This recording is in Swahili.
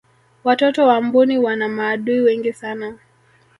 watoto wa mbuni wana maadui wengi sana